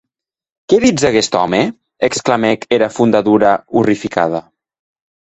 Qué ditz aguest òme?, exclamèc era fondadora orrificada.